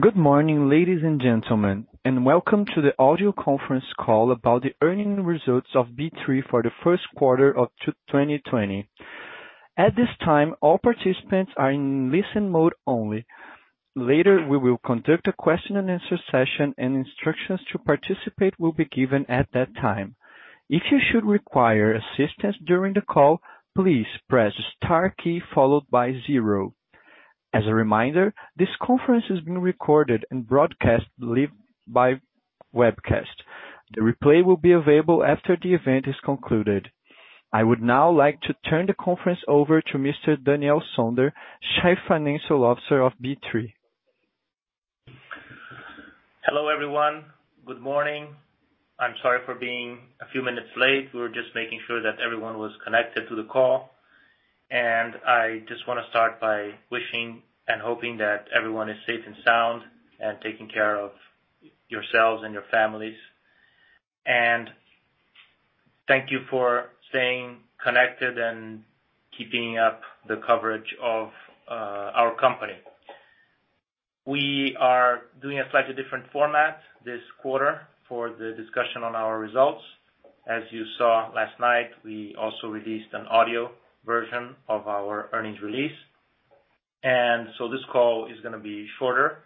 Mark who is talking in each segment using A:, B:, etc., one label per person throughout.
A: Good morning, ladies and gentlemen, and welcome to the audio conference call about the earnings results of B3 for the first quarter of 2020. At this time, all participants are in listen mode only. Later, we will conduct a question and answer session, and instructions to participate will be given at that time. If you should require assistance during the call, please press star key followed by zero. As a reminder, this conference is being recorded and broadcast live by webcast. The replay will be available after the event is concluded. I would now like to turn the conference over to Mr. Daniel Sonder, Chief Financial Officer of B3.
B: Hello, everyone. Good morning. I'm sorry for being a few minutes late. We were just making sure that everyone was connected to the call. I just want to start by wishing and hoping that everyone is safe and sound and taking care of yourselves and your families. Thank you for staying connected and keeping up the coverage of our company. We are doing a slightly different format this quarter for the discussion on our results. As you saw last night, we also released an audio version of our earnings release. This call is going to be shorter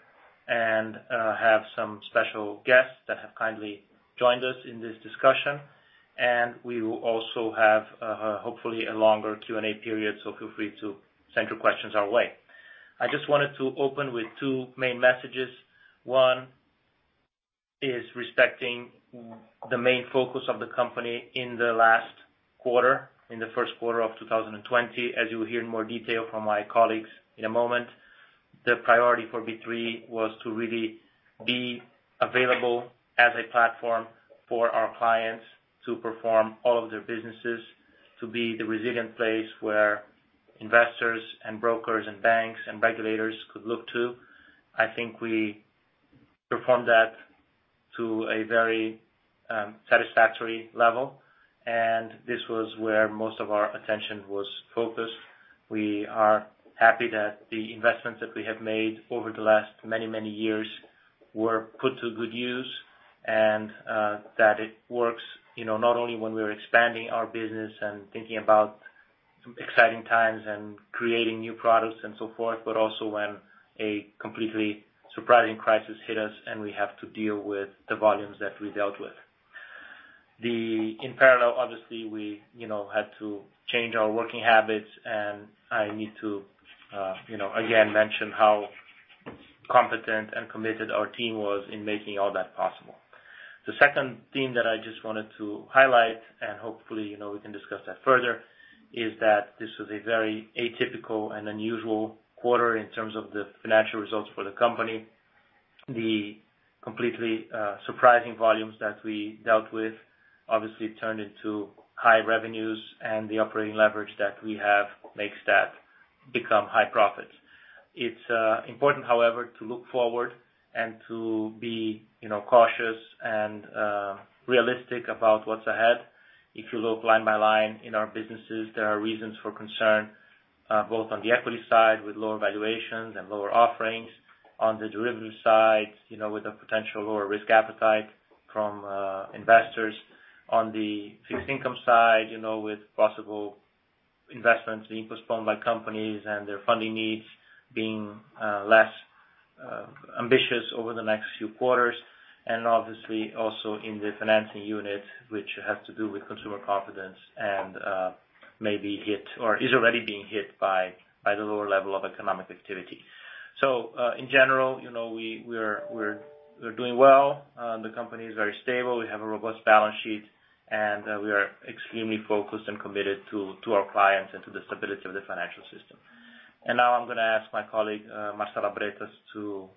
B: and have some special guests that have kindly joined us in this discussion. We will also have, hopefully, a longer Q&A period, so feel free to send your questions our way. I just wanted to open with two main messages. One is respecting the main focus of the company in the last quarter, in the first quarter of 2020. As you'll hear in more detail from my colleagues in a moment, the priority for B3 was to really be available as a platform for our clients to perform all of their businesses, to be the resilient place where investors and brokers and banks and regulators could look to. I think we performed that to a very satisfactory level, and this was where most of our attention was focused. We are happy that the investments that we have made over the last many, many years were put to good use and that it works, not only when we are expanding our business and thinking about exciting times and creating new products and so forth, but also when a completely surprising crisis hit us and we have to deal with the volumes that we dealt with. In parallel, obviously, we had to change our working habits, and I need to again mention how competent and committed our team was in making all that possible. The second thing that I just wanted to highlight, and hopefully we can discuss that further, is that this was a very atypical and unusual quarter in terms of the financial results for the company. The completely surprising volumes that we dealt with obviously turned into high revenues, and the operating leverage that we have makes that become high profits. It's important, however, to look forward and to be cautious and realistic about what's ahead. If you look line by line in our businesses, there are reasons for concern, both on the equity side with lower valuations and lower offerings, on the derivative side with a potential lower risk appetite from investors. On the fixed income side, with possible investments being postponed by companies and their funding needs being less ambitious over the next few quarters, and obviously also in the financing unit, which has to do with consumer confidence and maybe hit or is already being hit by the lower level of economic activity. In general, we're doing well. The company is very stable. We have a robust balance sheet, and we are extremely focused and committed to our clients and to the stability of the financial system. Now I'm going to ask my colleague, Marcela Bretas, to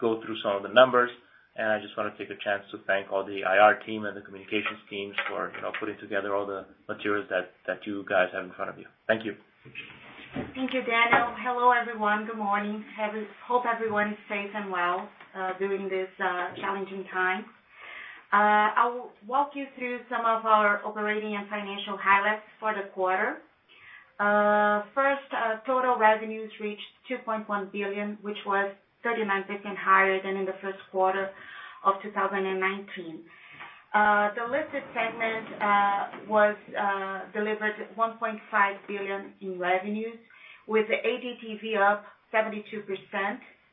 B: go through some of the numbers. I just want to take a chance to thank all the IR team and the communications teams for putting together all the materials that you guys have in front of you. Thank you.
C: Thank you, Daniel. Hello, everyone. Good morning. Hope everyone is safe and well during these challenging times. I will walk you through some of our operating and financial highlights for the quarter. First, total revenues reached 2.1 billion, which was 39% higher than in the first quarter of 2019. The listed segment delivered 1.5 billion in revenues, with ADTV up 72%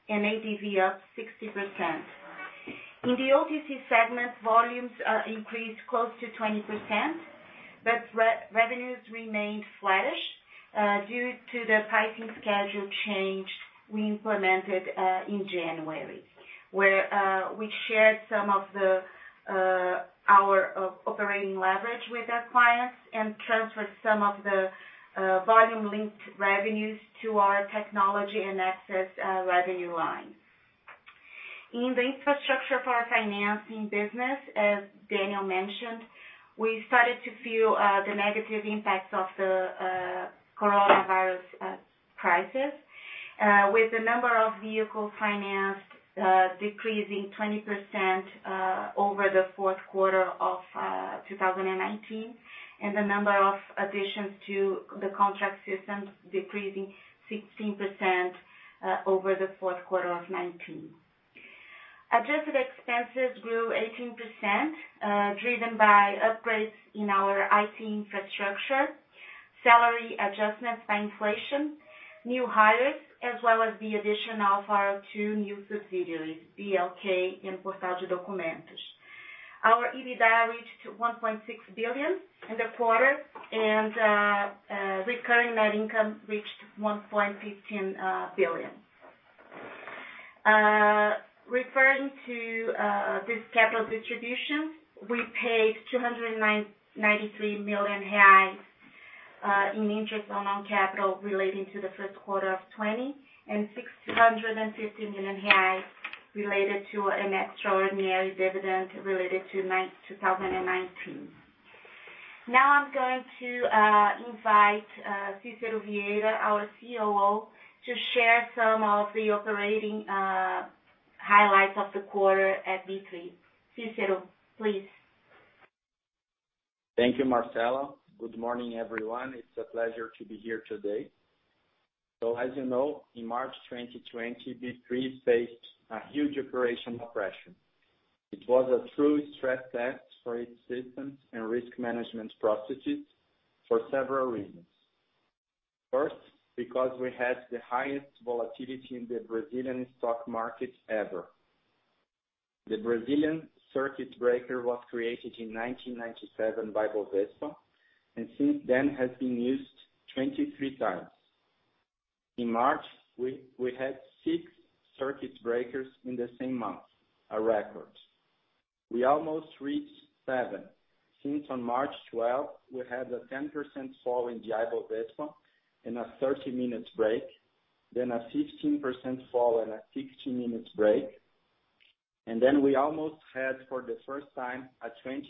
C: and ADV up 60%. In the OTC segment, volumes increased close to 20%, but revenues remained flattish due to the pricing schedule change we implemented in January, where we shared some of our operating leverage with our clients and transferred some of the volume-linked revenues to our technology and access revenue line. In the infrastructure for our financing business, as Daniel mentioned, we started to feel the negative impacts of the coronavirus crisis. With the number of vehicle financed decreasing 20% over the fourth quarter of 2019, and the number of additions to the contract systems decreasing 16% over the fourth quarter of 2019. Adjusted expenses grew 18%, driven by upgrades in our IT infrastructure, salary adjustments by inflation, new hires, as well as the addition of our two new subsidiaries, BLK and Portal de Documentos. Our EBITDA reached 1.6 billion in the quarter, and recurring net income reached 1.15 billion. Referring to this capital distribution, we paid 293 million reais in interest on own capital relating to the first quarter of 2020, and 650 million reais related to an extraordinary dividend related to 2019. Now I'm going to invite Cícero Vieira, our COO, to share some of the operating highlights of the quarter at B3. Cícero, please.
D: Thank you, Marcela. Good morning, everyone. It's a pleasure to be here today. As you know, in March 2020, B3 faced a huge operational pressure. It was a true stress test for its systems and risk management processes for several reasons. First, because we had the highest volatility in the Brazilian stock market ever. The Brazilian circuit breaker was created in 1997 by Bovespa, and since then has been used 23 times. In March, we had six circuit breakers in the same month, a record. We almost reached seven, since on March 12th we had a 10% fall in the Ibovespa in a 30-minute break, then a 15% fall and a 60-minute break. We almost had, for the first time, a 20%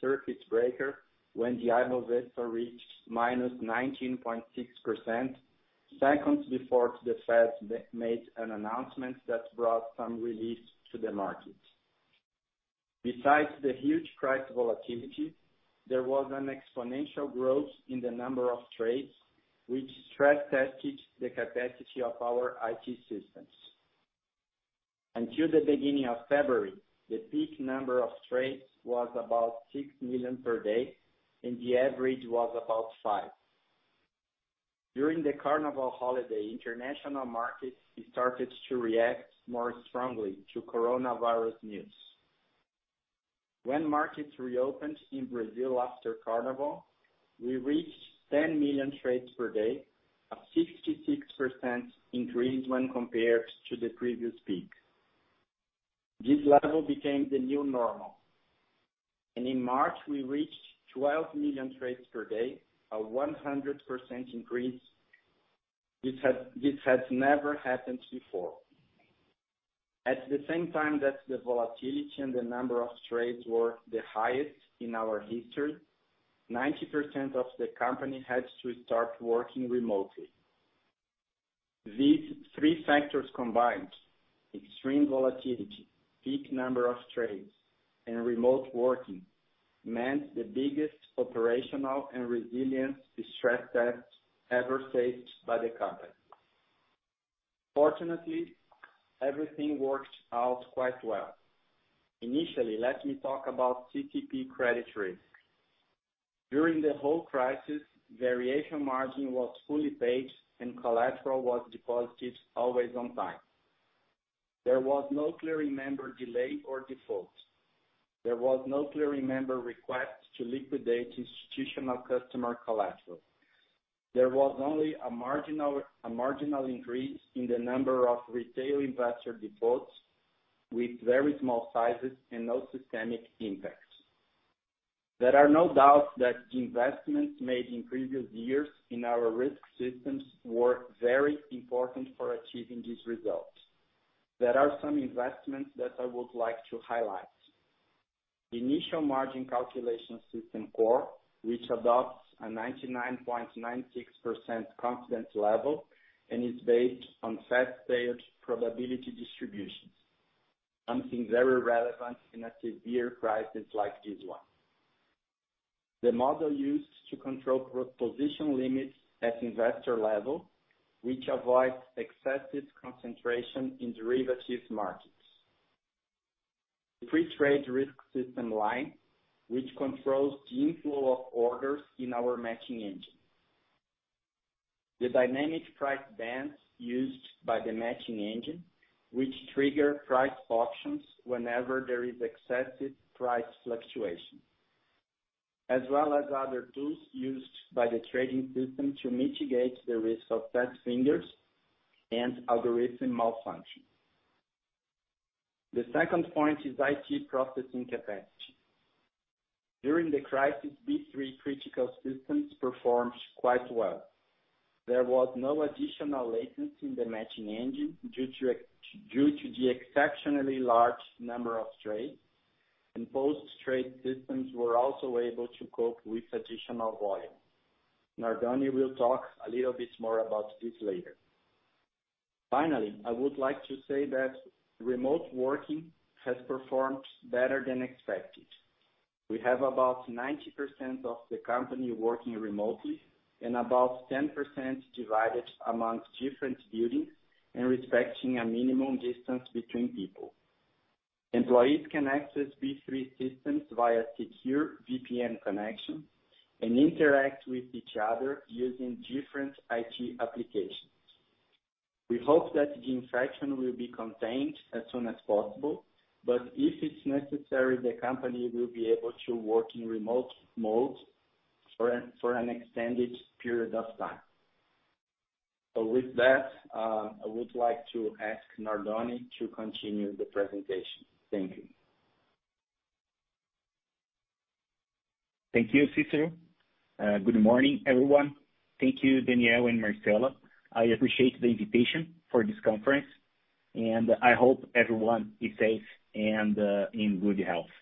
D: circuit breaker when the Ibovespa reached -19.6% seconds before the Fed made an announcement that brought some relief to the market. Besides the huge price volatility, there was an exponential growth in the number of trades, which stress tested the capacity of our IT systems. Until the beginning of February, the peak number of trades was about 6 million per day, and the average was about 5 million. During the Carnival holiday, international markets started to react more strongly to coronavirus news. When markets reopened in Brazil after Carnival, we reached 10 million trades per day, a 66% increase when compared to the previous peak. This level became the new normal. In March, we reached 12 million trades per day, a 100% increase. This has never happened before. At the same time that the volatility and the number of trades were the highest in our history, 90% of the company had to start working remotely. These three factors combined, extreme volatility, peak number of trades, and remote working meant the biggest operational and resilience stress test ever faced by the company. Fortunately, everything worked out quite well. Initially, let me talk about CCP credit risk. During the whole crisis, variation margin was fully paid and collateral was deposited always on time. There was no clearing member delay or default. There was no clearing member request to liquidate institutional customer collateral. There was only a marginal increase in the number of retail investor defaults with very small sizes and no systemic impact. There are no doubts that the investments made in previous years in our risk systems were very important for achieving these results. There are some investments that I would like to highlight. Initial margin calculation system CORE, which adopts a 99.96% confidence level and is based on fat-tailed probability distributions. Something very relevant in a severe crisis like this one. The model used to control cross-position limits at investor level, which avoids excessive concentration in derivatives markets. Pre-trade risk system LiNe, which controls the inflow of orders in our matching engine. The dynamic price bands used by the matching engine, which trigger price auctions whenever there is excessive price fluctuation, as well as other tools used by the trading system to mitigate the risk of fat fingers and algorithm malfunction. The second point is IT processing capacity. During the crisis, B3 critical systems performed quite well. There was no additional latency in the matching engine due to the exceptionally large number of trades. Both trade systems were also able to cope with additional volume. Nardoni will talk a little bit more about this later. Finally, I would like to say that remote working has performed better than expected. We have about 90% of the company working remotely and about 10% divided amongst different buildings and respecting a minimum distance between people. Employees can access B3 systems via secure VPN connection and interact with each other using different IT applications. We hope that the infection will be contained as soon as possible, but if it's necessary, the company will be able to work in remote mode for an extended period of time. With that, I would like to ask Nardoni to continue the presentation. Thank you.
E: Thank you, Cícero. Good morning, everyone. Thank you, Daniel and Marcela. I appreciate the invitation for this conference, and I hope everyone is safe and in good health.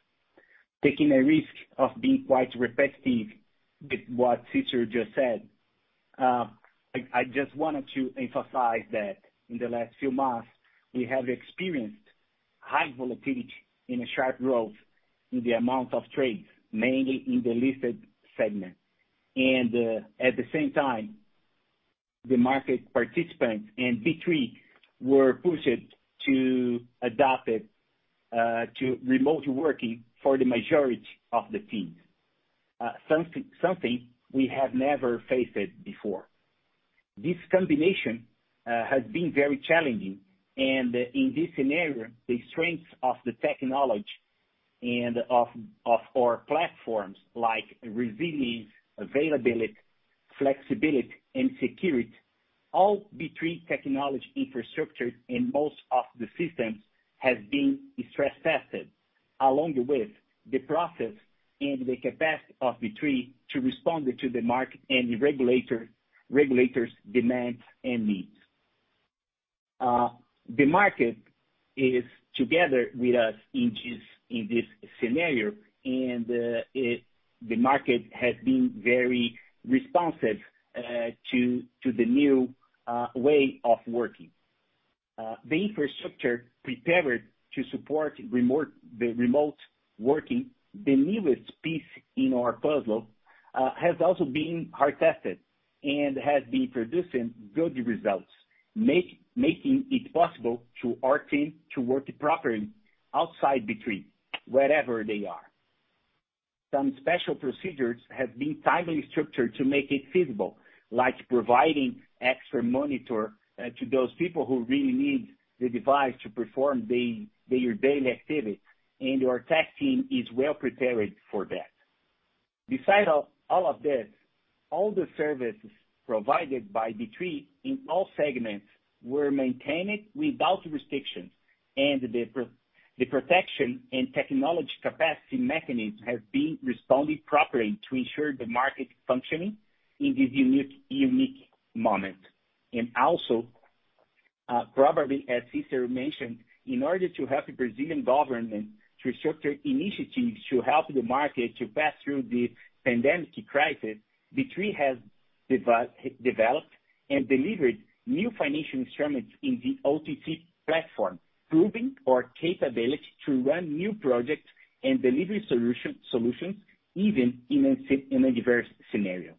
E: Taking a risk of being quite repetitive with what Cícero just said, I just wanted to emphasize that in the last few months, we have experienced high volatility and a sharp growth in the amount of trades, mainly in the listed segment. At the same time, the market participants and B3 were pushed to adapt it to remote working for the majority of the teams, something we have never faced before. This combination has been very challenging, and in this scenario, the strengths of the technology and of our platforms like resilience, availability, flexibility, and security, all B3 technology infrastructures in most of the systems has been stress tested along with the process and the capacity of B3 to respond to the market and the regulators' demands and needs. The market is together with us in this scenario, and the market has been very responsive to the new way of working. The infrastructure prepared to support the remote working, the newest piece in our puzzle, has also been hard tested and has been producing good results, making it possible to our team to work properly outside B3, wherever they are. Some special procedures have been timely structured to make it feasible, like providing extra monitor to those people who really need the device to perform their daily activities, and our tech team is well prepared for that. Besides all of this, all the services provided by B3 in all segments were maintained without restrictions, and the protection and technology capacity mechanisms have been responding properly to ensure the market functioning in this unique moment. Also, probably as Cícero mentioned, in order to help the Brazilian government to structure initiatives to help the market to pass through the pandemic crisis, B3 has developed and delivered new financial instruments in the OTC platform, proving our capability to run new projects and deliver solutions even in a diverse scenario.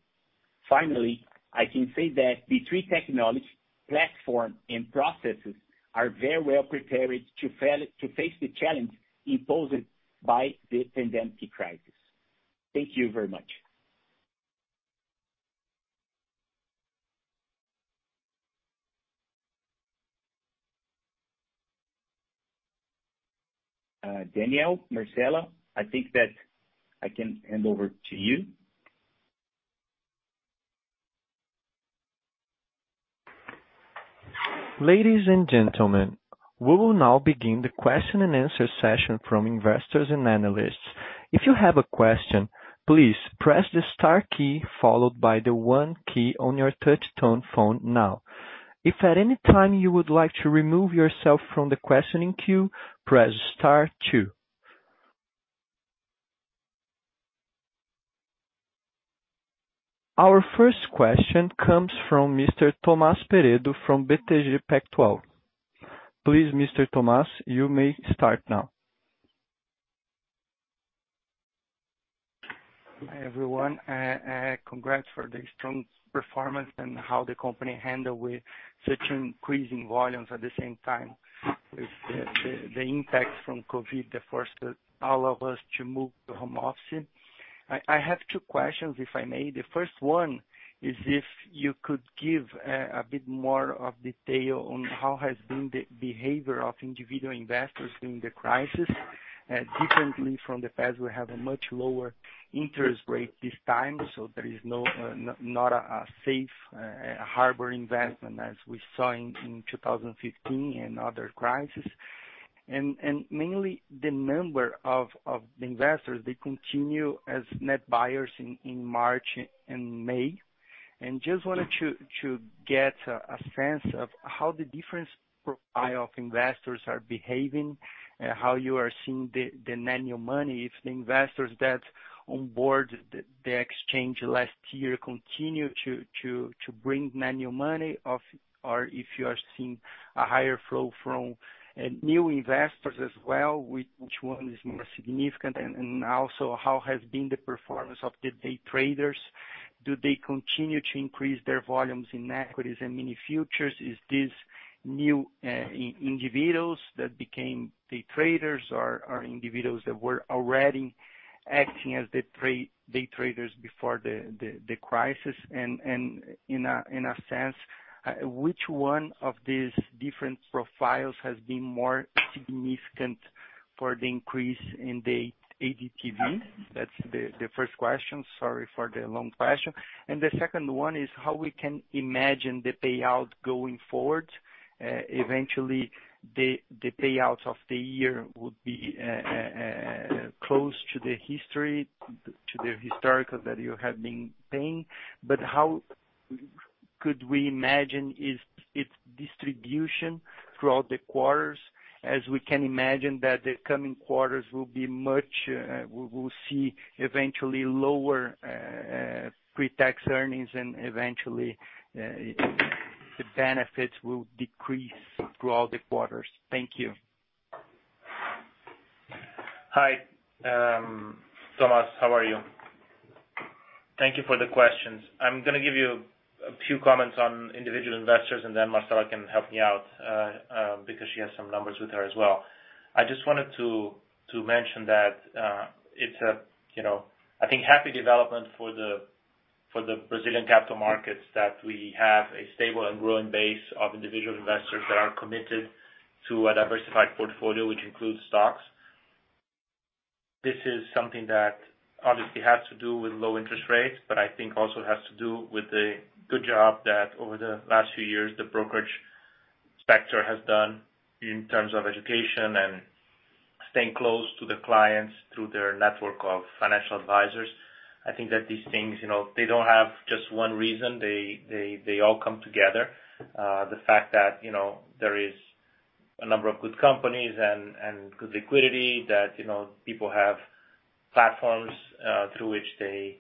E: Finally, I can say that B3 technology platform and processes are very well prepared to face the challenge imposed by the pandemic crisis. Thank you very much. Daniel, Marcela, I think that I can hand over to you.
A: Ladies and gentlemen, we will now begin the question and answer session from investors and analysts. If you have a question, please press the star key followed by the one key on your touch tone phone now. If at any time you would like to remove yourself from the questioning queue, press star two. Our first question comes from Mr. Thomas Peredo from BTG Pactual. Please, Mr. Thomas, you may start now.
F: Hi, everyone. Congrats for the strong performance and how the company handled with such increasing volumes at the same time with the impact from COVID that forced all of us to move to home office. I have two questions, if I may. The first one is if you could give a bit more of detail on how has been the behavior of individual investors during the crisis. Differently from the past, we have a much lower interest rate this time, there is not a safe harbor investment as we saw in 2015 and other crises. Mainly the number of investors, they continue as net buyers in March and May. I just wanted to get a sense of how the different profile investors are behaving, how you are seeing the new money. If the investors that onboard the exchange last year continue to bring new money or if you are seeing a higher flow from new investors as well, which one is more significant? How has been the performance of the day traders? Do they continue to increase their volumes in equities and mini futures? Is this new individuals that became day traders or individuals that were already acting as day traders before the crisis? In a sense, which one of these different profiles has been more significant for the increase in the ADTV? That's the first question. Sorry for the long question. The second one is how we can imagine the payout going forward. Eventually, the payouts of the year would be close to the history, to the historical that you have been paying. How could we imagine its distribution throughout the quarters, as we can imagine that the coming quarters, we will see eventually lower pre-tax earnings and eventually the benefits will decrease throughout the quarters. Thank you.
B: Hi, Thomas. How are you? Thank you for the questions. I'm going to give you a few comments on individual investors, and then Marcela can help me out because she has some numbers with her as well. I just wanted to mention that it's a, I think, happy development for the Brazilian capital markets that we have a stable and growing base of individual investors that are committed to a diversified portfolio, which includes stocks. This is something that obviously has to do with low interest rates, but I think also has to do with the good job that over the last few years, the brokerage sector has done in terms of education and staying close to the clients through their network of financial advisors. I think that these things, they don't have just one reason. They all come together. The fact that there is a number of good companies and good liquidity that people have platforms through which they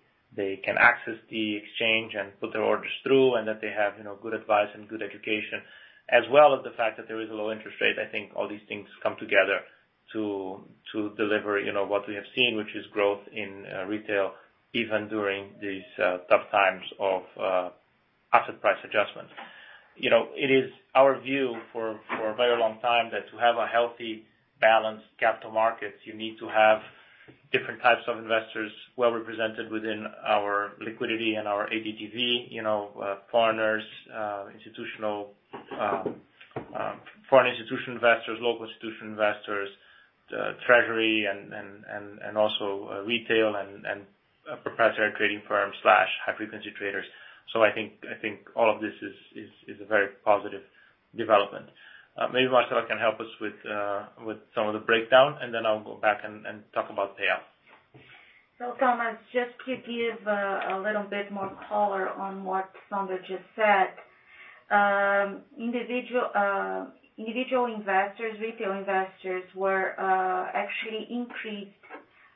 B: can access the exchange and put their orders through, and that they have good advice and good education, as well as the fact that there is low interest rates. I think all these things come together to deliver what we have seen, which is growth in retail, even during these tough times of asset price adjustments. It is our view for a very long time that to have a healthy, balanced capital markets, you need to have different types of investors well represented within our liquidity and our ADTV. Foreigners, foreign institutional investors, local institutional investors, treasury, and also retail and proprietary trading firms/high-frequency traders. I think all of this is a very positive development. Maybe Marcela can help us with some of the breakdown, and then I'll go back and talk about payout.
C: Thomas, just to give a little bit more color on what Sonder just said. Individual investors, retail investors were actually increased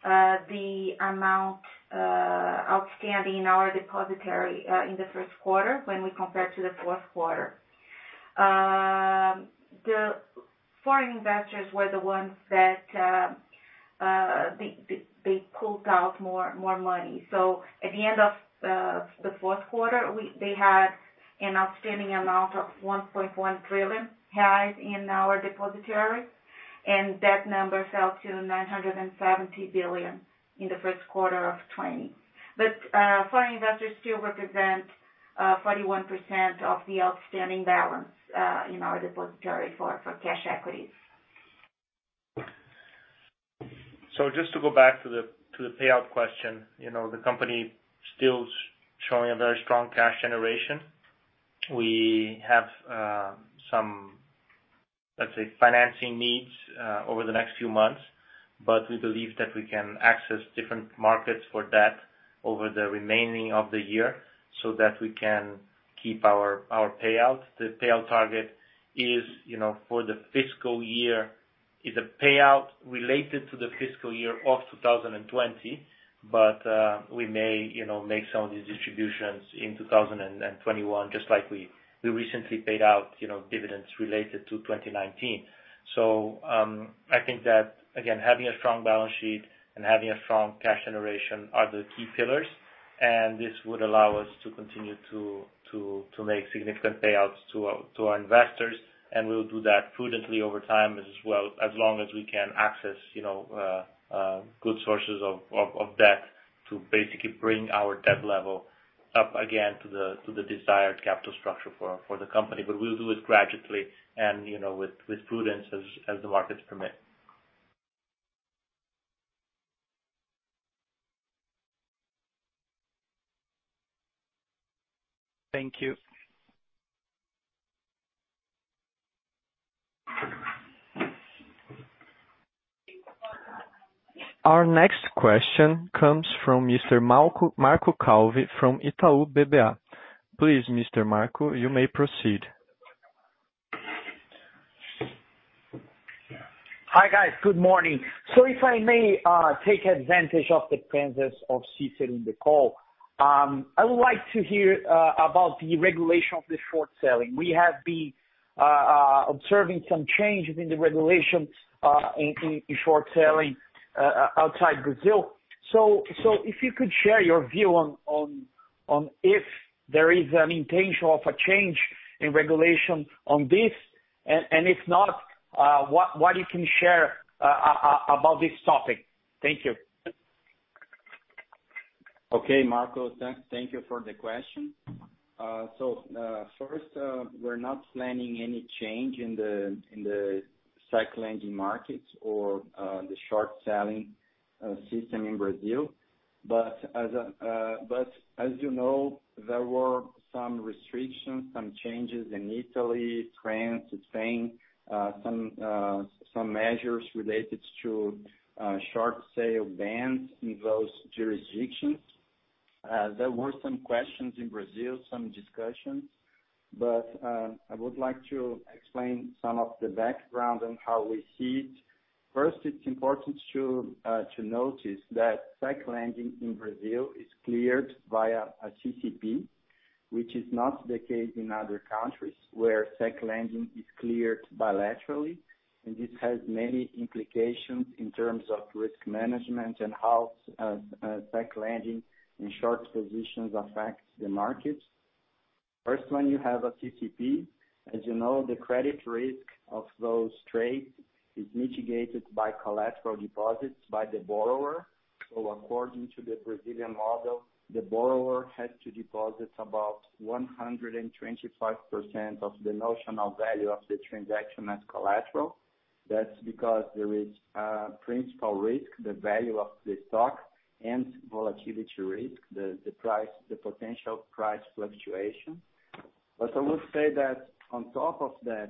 C: the amount outstanding in our depositary in the first quarter when we compared to the fourth quarter. The foreign investors were the ones that they pulled out more money. At the end of the fourth quarter, they had an outstanding amount of 1.1 trillion in our depositary, and that number fell to 970 billion in the first quarter of 2020. Foreign investors still represent 41% of the outstanding balance in our depositary for cash equities.
B: Just to go back to the payout question. The company still is showing a very strong cash generation. We have some, let's say, financing needs over the next few months, but we believe that we can access different markets for debt over the remaining of the year so that we can keep our payouts. The payout target for the fiscal year is a payout related to the fiscal year of 2020, but we may make some of these distributions in 2021, just like we recently paid out dividends related to 2019. I think that, again, having a strong balance sheet and having a strong cash generation are the key pillars, and this would allow us to continue to make significant payouts to our investors, and we'll do that prudently over time as well, as long as we can access good sources of debt to basically bring our debt level up again to the desired capital structure for the company. We'll do it gradually and with prudence as the markets permit.
F: Thank you.
A: Our next question comes from Mr. Marco Calvi from Itaú BBA. Please, Mr. Marco, you may proceed.
G: Hi, guys. Good morning. If I may take advantage of the presence of Cicero in the call, I would like to hear about the regulation of the short selling. We have been observing some changes in the regulation in short selling outside Brazil. If you could share your view on if there is an intention of a change in regulation on this, and if not, what you can share about this topic. Thank you.
D: Okay, Marco. Thank you for the question. First, we're not planning any change in the stock lending markets or the short selling system in Brazil. As you know, there were some restrictions, some changes in Italy, France, Spain, some measures related to short sale bans in those jurisdictions. There were some questions in Brazil, some discussions, but I would like to explain some of the background on how we see it. First, it's important to notice that stock lending in Brazil is cleared via a CCP, which is not the case in other countries where stock lending is cleared bilaterally. This has many implications in terms of risk management and how stock lending and short positions affect the market. First one, you have a CCP. As you know, the credit risk of those trades is mitigated by collateral deposits by the borrower. According to the Brazilian model, the borrower had to deposit about 125% of the notional value of the transaction as collateral. That's because there is a principal risk, the value of the stock, and volatility risk, the potential price fluctuation. I would say that on top of that,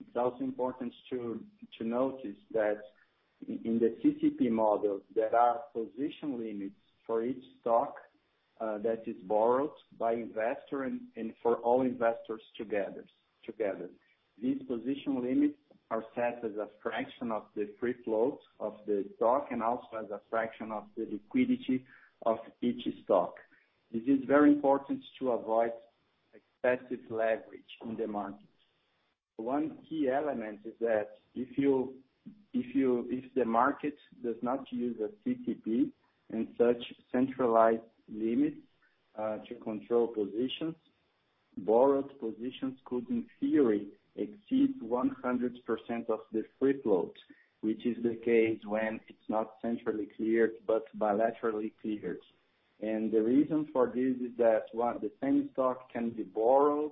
D: it's also important to notice that in the CCP model, there are position limits for each stock that is borrowed by investor and for all investors together. These position limits are set as a fraction of the free float of the stock and also as a fraction of the liquidity of each stock. This is very important to avoid excessive leverage in the market. One key element is that if the market does not use a CCP and such centralized limits to control positions, borrowed positions could, in theory, exceed 100% of the free float, which is the case when it's not centrally cleared but bilaterally cleared. The reason for this is that one of the same stock can be borrowed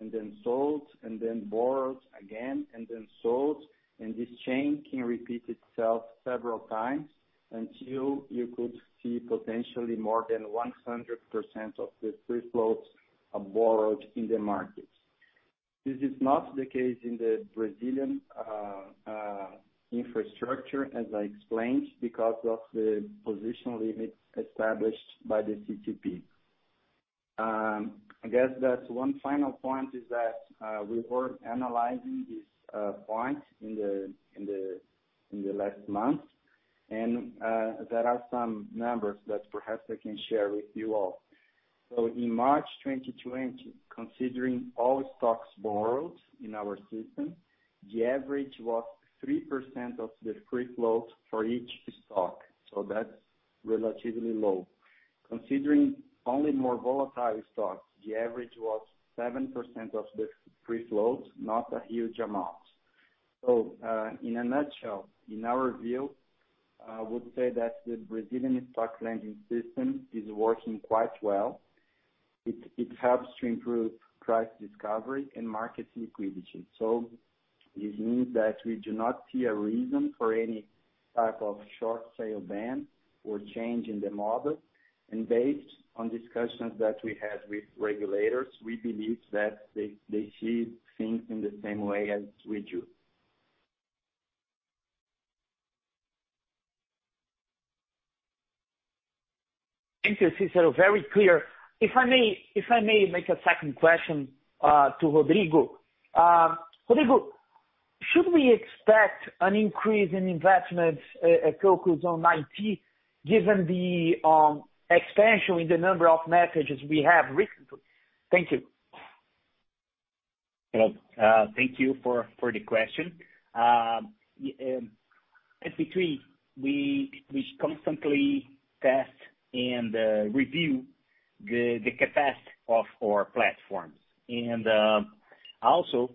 D: and then sold and then borrowed again and then sold, and this chain can repeat itself several times until you could see potentially more than 100% of the free floats are borrowed in the market. This is not the case in the Brazilian infrastructure, as I explained, because of the position limits established by the CCP. I guess that one final point is that we were analyzing this point in the last month, and there are some numbers that perhaps I can share with you all. In March 2020, considering all stocks borrowed in our system, the average was 3% of the free float for each stock. That's relatively low. Considering only more volatile stocks, the average was 7% of the free float, not a huge amount. In a nutshell, in our view, I would say that the Brazilian stock lending system is working quite well. It helps to improve price discovery and market liquidity. This means that we do not see a reason for any type of short sale ban or change in the model. Based on discussions that we had with regulators, we believe that they see things in the same way as we do.
G: Thank you, Cicero. Very clear. If I may make a second question to Rodrigo. Rodrigo, should we expect an increase in investments at CapEx on IT given the expansion in the number of messages we have recently? Thank you.
E: Hello. Thank you for the question. At B3, we constantly test and review the capacity of our platforms. Also,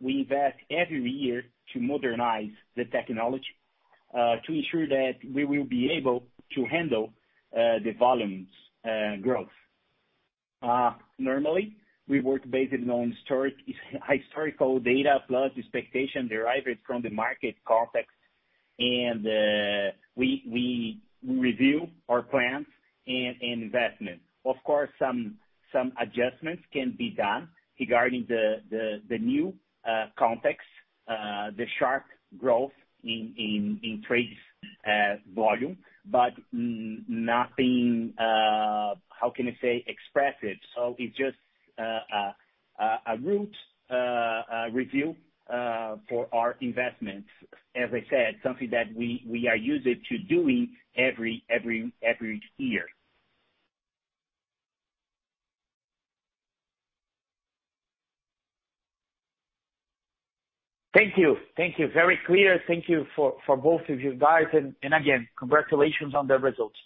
E: we invest every year to modernize the technology to ensure that we will be able to handle the volumes growth. Normally, we work based on historical data plus expectation derived from the market context, and we review our plans and investment. Of course, some adjustments can be done regarding the new context, the sharp growth in trades volume but nothing. How can I say? Express it. It's just a routine review for our investments. As I said, something that we are used to doing every year.
G: Thank you. Very clear. Thank you for both of you guys, and again, congratulations on the results.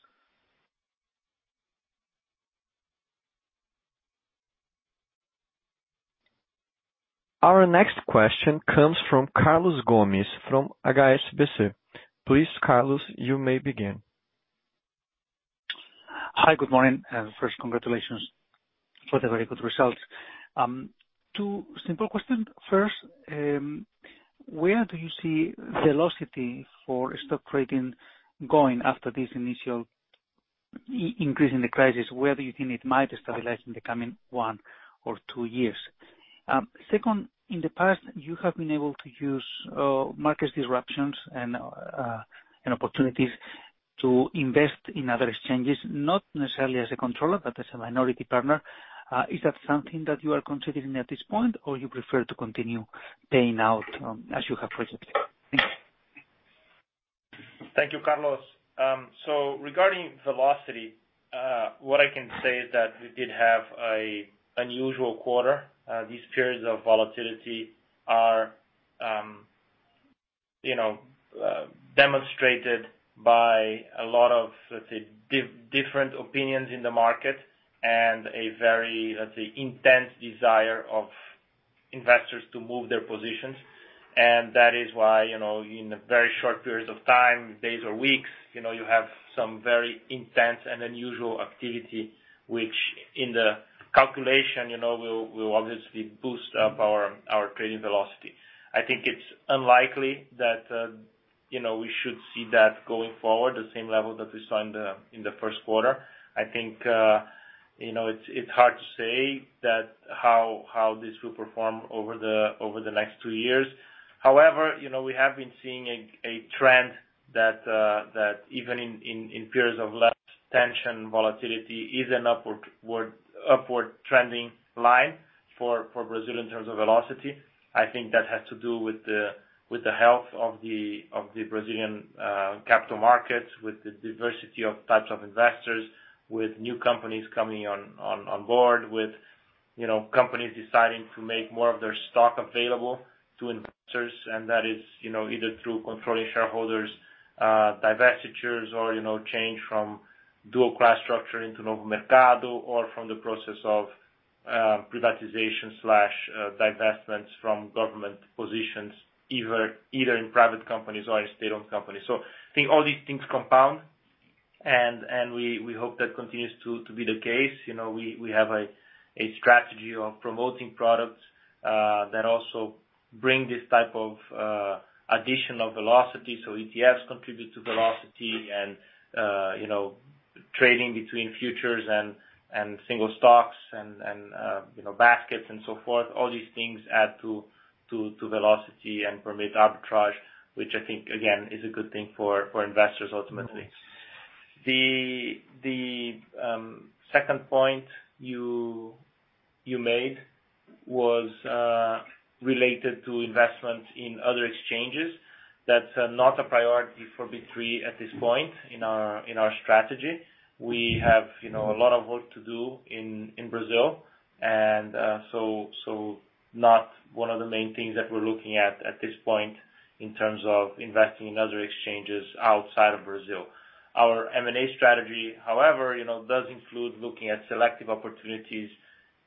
A: Our next question comes from Carlos Gomez-Lopez from HSBC. Please, Carlos, you may begin.
H: Hi, good morning. First, congratulations for the very good results. Two simple questions. First, where do you see velocity for stock trading going after this initial increase in the crisis? Where do you think it might stabilize in the coming one or two years? Second, in the past, you have been able to use market disruptions and opportunities to invest in other exchanges, not necessarily as a controller but as a minority partner. Is that something that you are considering at this point, or you prefer to continue paying out as you have previously? Thanks.
B: Thank you, Carlos. Regarding velocity, what I can say is that we did have a unusual quarter. These periods of volatility are demonstrated by a lot of, let's say, different opinions in the market and a very, let's say, intense desire of investors to move their positions. That is why, in a very short period of time, days or weeks, you have some very intense and unusual activity, which in the calculation will obviously boost up our trading velocity. I think it's unlikely that we should see that going forward, the same level that we saw in the first quarter. I think it's hard to say how this will perform over the next two years. However, we have been seeing a trend that even in periods of less tension, volatility is an upward trending line for Brazil in terms of velocity. I think that has to do with the health of the Brazilian capital markets, with the diversity of types of investors, with new companies coming on board, with companies deciding to make more of their stock available to investors, and that is either through controlling shareholders, divestitures, or change from dual class structure into Novo Mercado or from the process of privatization/divestments from government positions, either in private companies or in state-owned companies. I think all these things compound, and we hope that continues to be the case. We have a strategy of promoting products that also bring this type of additional velocity. ETFs contribute to velocity and trading between futures and single stocks and baskets and so forth. All these things add to velocity and permit arbitrage, which I think, again, is a good thing for investors ultimately. The second point you made was related to investments in other exchanges. That's not a priority for B3 at this point in our strategy. We have a lot of work to do in Brazil, and so not one of the main things that we're looking at at this point in terms of investing in other exchanges outside of Brazil. Our M&A strategy, however, does include looking at selective opportunities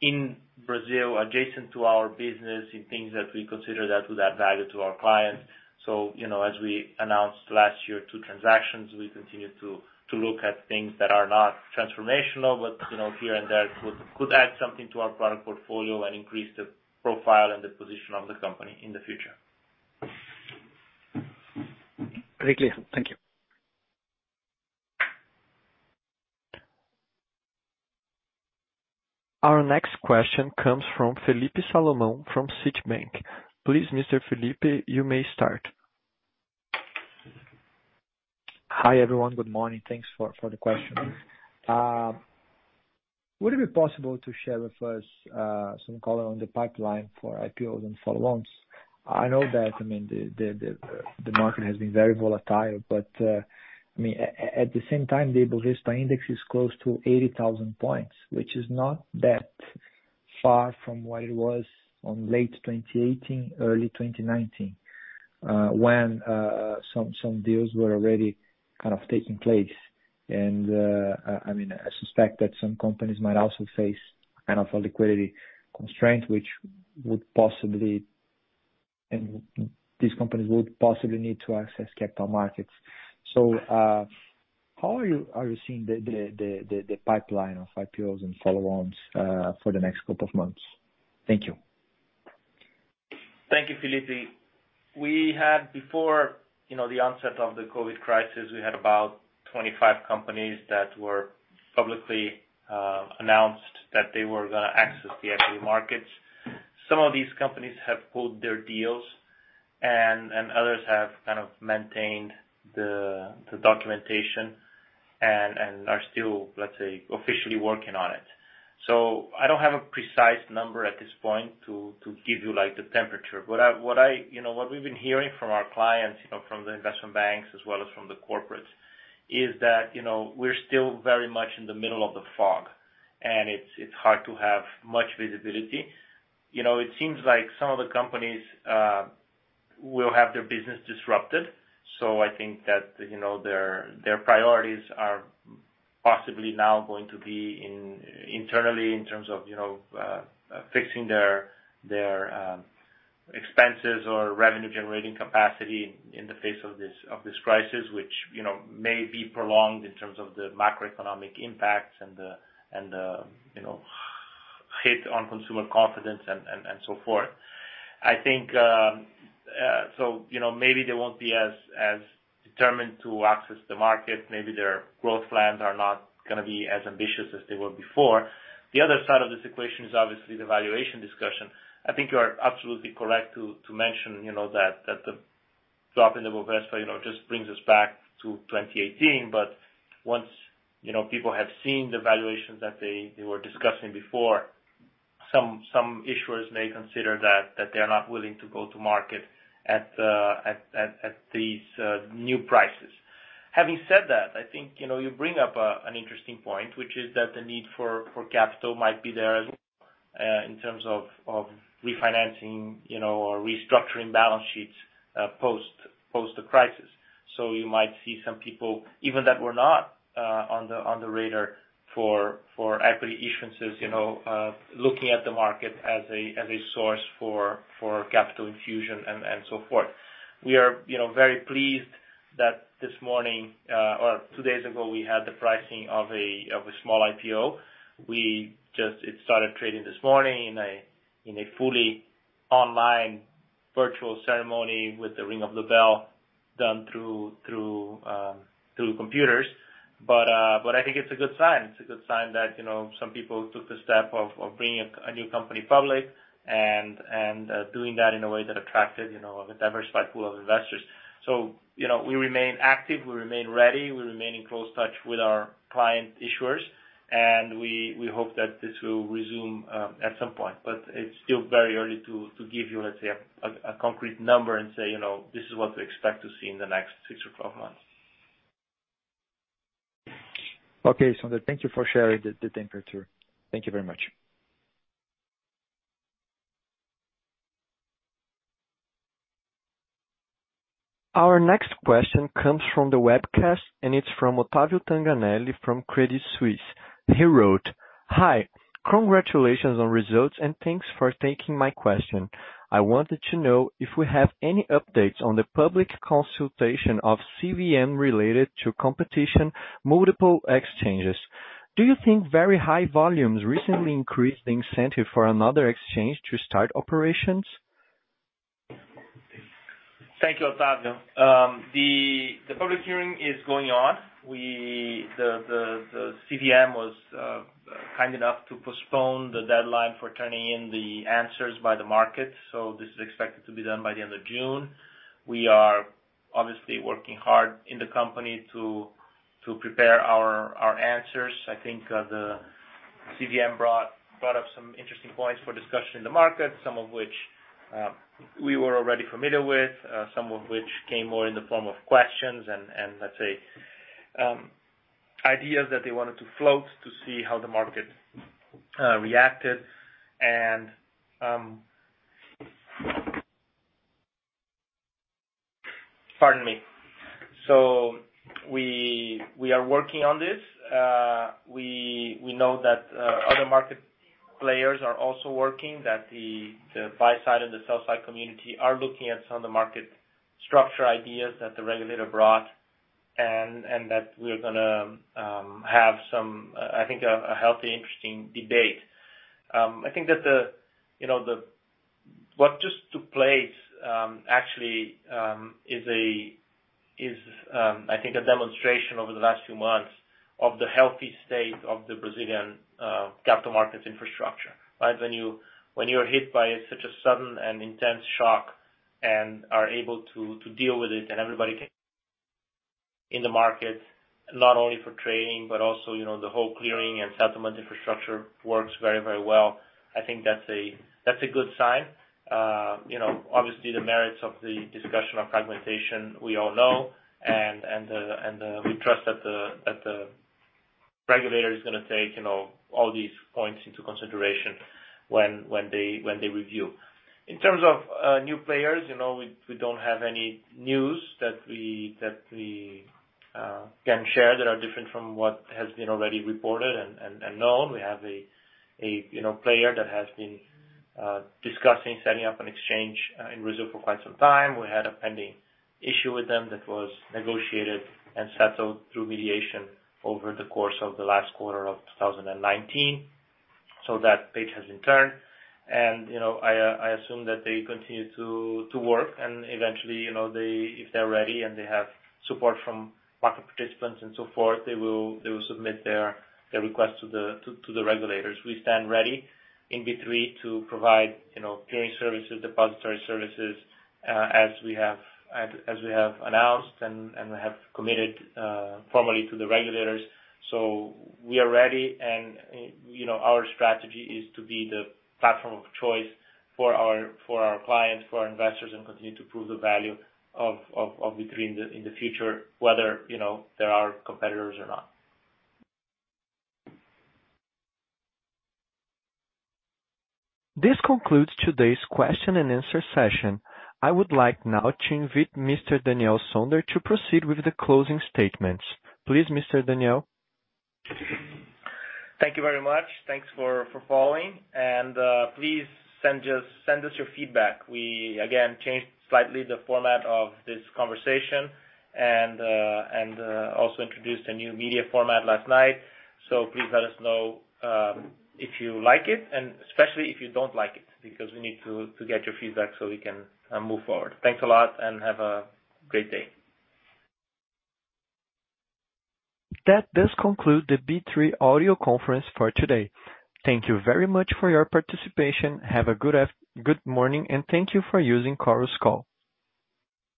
B: in Brazil adjacent to our business in things that we consider that will add value to our clients. As we announced last year, two transactions, we continue to look at things that are not transformational, but here and there could add something to our product portfolio and increase the profile and the position of the company in the future.
H: Greatly. Thank you.
A: Our next question comes from Felipe Solomon from Citibank. Please, Mr. Felipe, you may start.
I: Hi, everyone. Good morning. Thanks for the question. Would it be possible to share with us some color on the pipeline for IPOs and follow-ons? I know that the market has been very volatile, but at the same time, the Ibovespa index is close to 80,000 points, which is not that far from what it was in late 2018, early 2019, when some deals were already kind of taking place. I suspect that some companies might also face kind of a liquidity constraint, and these companies would possibly need to access capital markets. How are you seeing the pipeline of IPOs and follow-ons for the next couple of months? Thank you.
B: Thank you, Felipe. Before the onset of the COVID crisis, we had about 25 companies that were publicly announced that they were going to access the equity markets. Some of these companies have pulled their deals and others have kind of maintained the documentation and are still, let's say, officially working on it. I don't have a precise number at this point to give you the temperature. What we've been hearing from our clients, from the investment banks as well as from the corporates is that we're still very much in the middle of the fog and it's hard to have much visibility. It seems like some of the companies will have their business disrupted. I think that their priorities are possibly now going to be internally in terms of fixing their expenses or revenue-generating capacity in the face of this crisis, which may be prolonged in terms of the macroeconomic impacts and the hit on consumer confidence and so forth. Maybe they won't be as determined to access the market. Maybe their growth plans are not going to be as ambitious as they were before. The other side of this equation is obviously the valuation discussion. I think you are absolutely correct to mention that the drop in the Bovespa just brings us back to 2018. Once people have seen the valuations that they were discussing before, some issuers may consider that they're not willing to go to market at these new prices. Having said that, I think you bring up an interesting point, which is that the need for capital might be there as well in terms of refinancing or restructuring balance sheets post the crisis. You might see some people even that were not on the radar for equity issuances looking at the market as a source for capital infusion and so forth. We are very pleased that this morning, or two days ago, we had the pricing of a small IPO. It started trading this morning in a fully online virtual ceremony with the ring of the bell done through computers. I think it's a good sign. It's a good sign that some people took the step of bringing a new company public and doing that in a way that attracted a diversified pool of investors. We remain active, we remain ready, we remain in close touch with our client issuers, and we hope that this will resume at some point. It's still very early to give you, let's say, a concrete number and say, "This is what we expect to see in the next six or 12 months.
I: Okay, Sonder. Thank you for sharing the temperature. Thank you very much.
A: Our next question comes from the webcast. It's from Otavio Tanganelli from Credit Suisse. He wrote, "Hi, congratulations on results, and thanks for taking my question. I wanted to know if we have any updates on the public consultation of CVM related to competition multiple exchanges. Do you think very high volumes recently increased the incentive for another exchange to start operations?
B: Thank you, Otavio. The public hearing is going on. The CVM was kind enough to postpone the deadline for turning in the answers by the market, so this is expected to be done by the end of June. We are obviously working hard in the company to prepare our answers. I think the CVM brought up some interesting points for discussion in the market, some of which we were already familiar with, some of which came more in the form of questions and, let's say, ideas that they wanted to float to see how the market reacted. Pardon me. We are working on this. We know that other market players are also working, that the buy-side and the sell-side community are looking at some of the market structure ideas that the regulator brought, and that we're going to have some, I think, a healthy, interesting debate. I think that what just took place actually is, I think, a demonstration over the last few months of the healthy state of the Brazilian capital markets infrastructure. Right? When you're hit by such a sudden and intense shock and are able to deal with it and everybody can in the market, not only for trading but also the whole clearing and settlement infrastructure works very well. I think that's a good sign. Obviously, the merits of the discussion of fragmentation we all know and we trust that the regulator is going to take all these points into consideration when they review. In terms of new players, we don't have any news that we can share that are different from what has been already reported and known. We have a player that has been discussing setting up an exchange in Brazil for quite some time. We had a pending issue with them that was negotiated and settled through mediation over the course of the last quarter of 2019. That page has been turned and I assume that they continue to work and eventually, if they're ready and they have support from market participants and so forth, they will submit their request to the regulators. We stand ready in B3 to provide clearing services, depository services as we have announced and have committed formally to the regulators. We are ready and our strategy is to be the platform of choice for our clients, for our investors, and continue to prove the value of B3 in the future whether there are competitors or not.
A: This concludes today's question and answer session. I would like now to invite Mr. Daniel Sonder to proceed with the closing statements. Please, Mr. Daniel.
B: Thank you very much. Thanks for following and please send us your feedback. We, again, changed slightly the format of this conversation and also introduced a new media format last night. Please let us know if you like it and especially if you don't like it because we need to get your feedback so we can move forward. Thanks a lot and have a great day.
A: That does conclude the B3 audio conference for today. Thank you very much for your participation. Have a good morning and thank you for using Chorus Call.